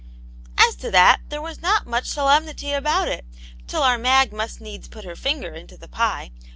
*'" As to that, there was not much solemnity about it, till our Mag must needs put her finger into the pie.